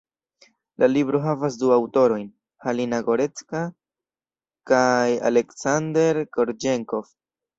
La libro havas du aŭtorojn, Halina Gorecka kaj Aleksander Korĵenkov.